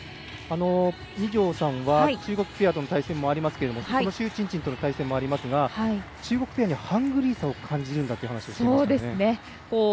二條さんは中国ペアとの対戦もありますけれども朱珍珍との対戦もありますが中国ペアにハングリーさを感じるんだという話をしていましたね。